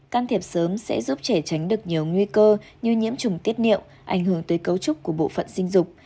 can thiệp sớm sẽ giúp trẻ tránh được nhiều nguy cơ như nhiễm trùng tiết niệu ảnh hưởng tới cấu trúc của bộ phận sinh dục